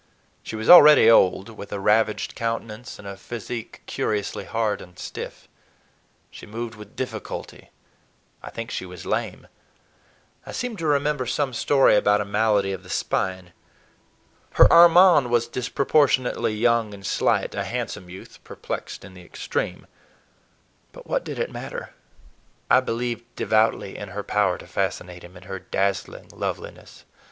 She was already old, with a ravaged countenance and a physique curiously hard and stiff. She moved with difficulty—I think she was lame—I seem to remember some story about a malady of the spine. Her Armand was disproportionately young and slight, a handsome youth, perplexed in the extreme. But what did it matter? I believed devoutly in her power to fascinate him, in her dazzling loveliness.